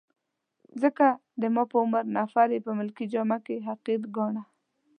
ځکه د ما په عمر نفر يې په ملکي جامه کي حقیر ګاڼه.